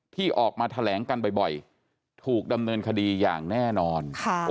ที่ออกมาแถลงกันบ่อยถูกดำเนินคดีอย่างแน่นอน